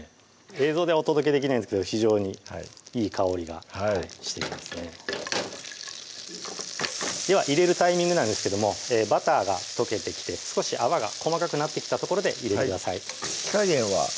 映像でお届けできないんですけど非常にいい香りがしていますねでは入れるタイミングなんですけどもバターが溶けてきて少し泡が細かくなってきたところで入れてください火加減は？